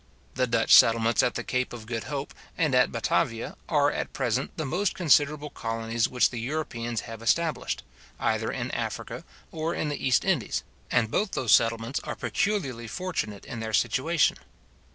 The Dutch settlements at the Cape of Good Hope and at Batavia, are at present the most considerable colonies which the Europeans have established, either in Africa or in the East Indies; and both those settlements are peculiarly fortunate in their situation.